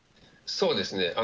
そうですね。